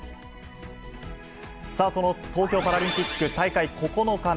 さあ、その東京パラリンピック大会９日目。